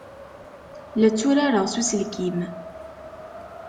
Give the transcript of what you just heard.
La tturareɣ s uselkim.